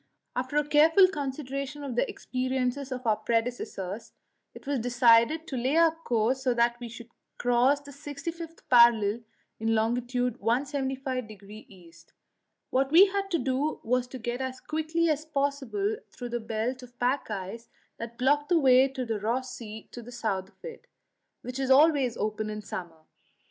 After a careful consideration of the experiences of our predecessors, it was decided to lay our course so that we should cross the 65th parallel in long. 175° E. What we had to do was to get as quickly as possible through the belt of pack ice that blocked the way to Ross Sea to the south of it, which is always open in summer.